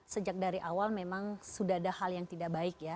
sejak dari awal memang sudah ada hal yang tidak baik ya